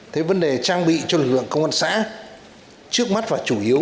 thế vấn đề trang bị cho lực lượng công an xã trước mắt và chủ yếu